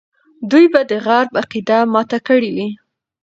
دوی به د غرب عقیده ماته کړې وي.